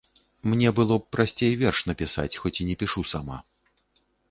Мне было б прасцей верш напісаць, хоць і не пішу сама.